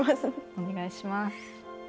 お願いします。